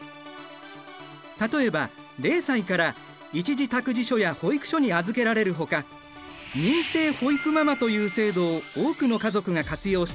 例えば０歳から一時託児所や保育所に預けられるほか認定保育ママという制度を多くの家族が活用している。